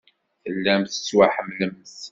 Tellamt tettwaḥemmlemt.